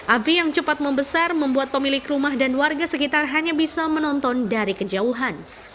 api yang cepat membesar membuat pemilik rumah dan warga sekitar hanya bisa menonton dari kejauhan